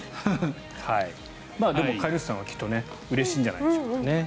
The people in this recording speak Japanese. でも、飼い主さんはうれしいんじゃないでしょうか。